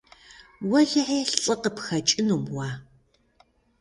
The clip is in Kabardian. Уэлэхьи, лӀы къыпхэкӀынум уэ.